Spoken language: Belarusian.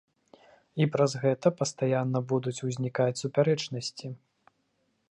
І праз гэта пастаянна будуць узнікаць супярэчнасці.